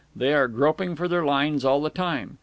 They are groping for their lines all the time.